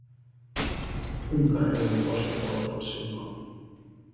Un carrer d'Amposta porta el seu nom.